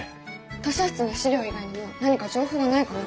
図書室の史料以外にも何か情報はないかな？